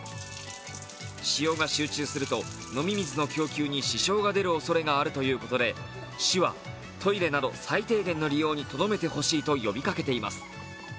使用が集中すると飲み水の供給に支障が出るおそれがあるということで市はトイレなど最低限の利用にとどめてほしいと呼びかけています。